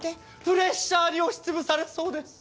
プレッシャーに押し潰されそうです！